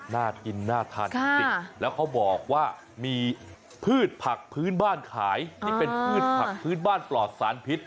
น่ากินน่าทานจริงแล้วเขาบอกว่ามีพืชผักพื้นบ้านขายที่เป็นพืชผักพื้นบ้านปลอดสารพิษ